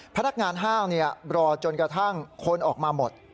พนักงานห้างรอจนกระทั่งคนออกมาหมด